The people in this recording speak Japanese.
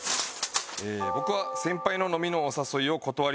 僕は先輩の飲みのお誘いを断りました。